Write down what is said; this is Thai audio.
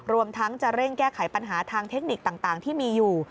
รวมทั้งจะเร่งแก้ไขปัญหาทางเทคนิคต่างที่มีอยู่